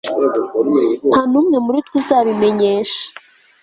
Nta numwe muri twe uzabimenyesha